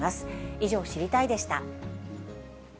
以上、知りたいッ！でした。